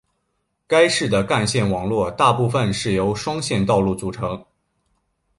该市的干线网络大部分是由双线道路组成。